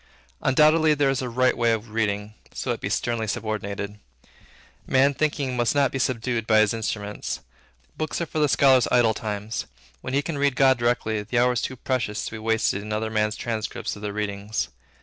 Undoubtedly there is a right way of reading, so it be sternly subordinated. Man Thinking must not be subdued by his instruments. Books are for the scholar's idle times. When he can read God directly, the hour is too precious to be wasted in other men's transcripts of their readings.